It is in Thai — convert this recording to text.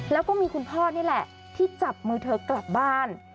แล้วก็มีคุณพ่อนี่แหละที่จับมือเธอกลับบ้าน